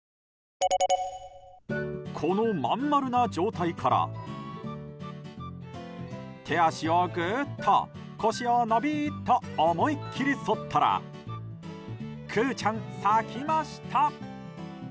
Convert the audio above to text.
このまん丸な状態から手足をグーッと、腰をノビーッと思いっきり反ったらクウちゃん、咲きました！